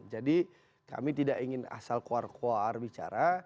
jadi kami tidak ingin asal kuar kuar bicara